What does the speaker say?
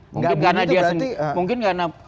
mungkin karena presiden jokowi